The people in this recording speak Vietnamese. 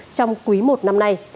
trong quý một năm nay